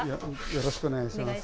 よろしくお願いします。